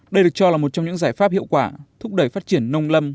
đây được cho là một trong những giải pháp hiệu quả thúc đẩy phát triển nông lâm